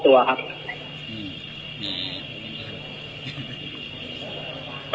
แต่ว่าหลังวันที่๒๔ผมจะมอบตัวครับ